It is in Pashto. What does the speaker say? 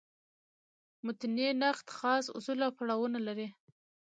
متني نقد خاص اصول او پړاوونه لري.